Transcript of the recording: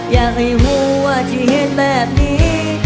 อยากให้หัวที่เห็นแบบนี้